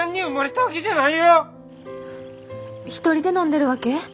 １人で飲んでるわけ？